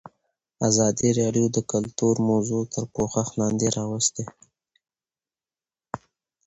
ازادي راډیو د کلتور موضوع تر پوښښ لاندې راوستې.